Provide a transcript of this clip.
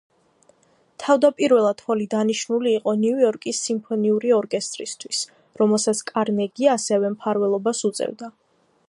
თავდაპირველად ჰოლი დანიშნული იყო ნიუ-იორკის სიმფონიური ორკესტრისთვის, რომელსაც კარნეგი ასევე მფარველობას უწევდა.